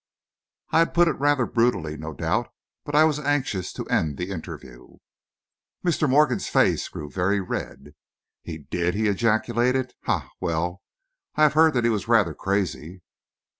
I put it rather brutally, no doubt, but I was anxious to end the interview. Mr. Morgan's face grew very red. "He did!" he ejaculated. "Ha well, I have heard he was rather crazy."